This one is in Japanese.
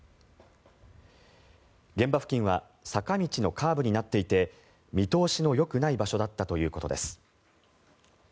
現場付近は坂道のカーブになっていて見通しのよくない場所だったということです。